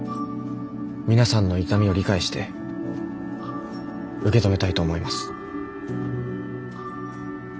皆さんの痛みを理解して受け止めたいと思います。